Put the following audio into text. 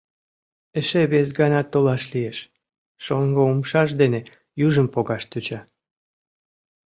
Эше вес ганат толаш лиеш... — шоҥго умшаж дене южым погаш тӧча.